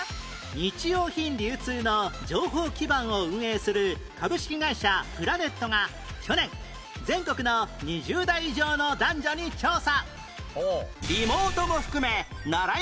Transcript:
日用品流通の情報基盤を運営する株式会社プラネットが去年全国の２０代以上の男女に調査